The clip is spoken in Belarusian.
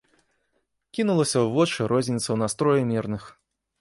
Кінулася ў вочы розніца ў настроі мірных.